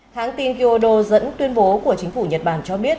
tháng tin kyoto dẫn tuyên bố của chính phủ nhật bản cho biết